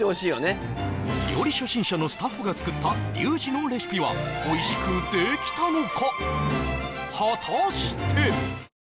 料理初心者のスタッフが作ったリュウジのレシピはおいしくできたのか？